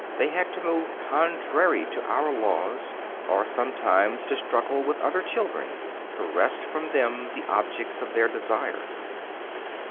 They had to move contrary to our laws, or sometimes to struggle with other children to wrest from them the objects of their desire.